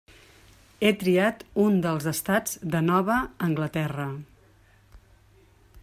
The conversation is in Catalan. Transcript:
He triat un dels estats de Nova Anglaterra.